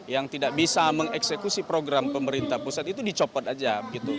yang tidak bisa mengeksekusi program pemerintah pusat itu dicopot aja